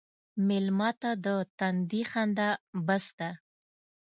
مېلمه ته د تندي خندا بس ده.